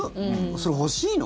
それ欲しいの？